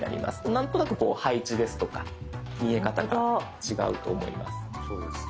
何となくこう配置ですとか見え方が違うと思います。